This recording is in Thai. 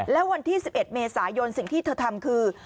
แล้ววันที่๑๑เมษายนสิ่งที่เธอทำคือ